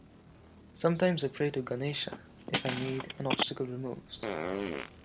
Sometimes I pray to Ganesha if I need an obstacle removed.